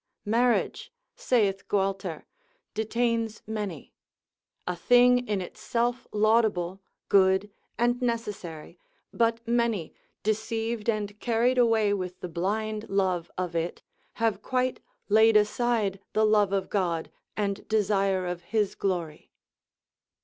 Marriage, saith Gualter, detains many; a thing in itself laudable, good and necessary, but many, deceived and carried away with the blind love of it, have quite laid aside the love of God, and desire of his glory.